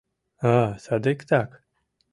А, садиктак.